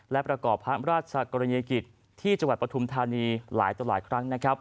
และประกอบพระราชกรณียกิจที่จังหวัดปฐุมธานีหลายต่อหลายครั้งนะครับ